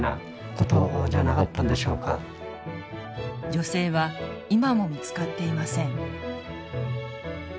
女性は今も見つかっていません。